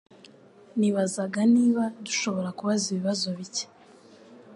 Nibazaga niba dushobora kubaza ibibazo bike.